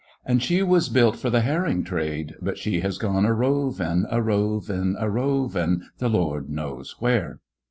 And she was built for the herring trade. But she has gone a rovin\ a rovin\ a rovin\ The Lord knows where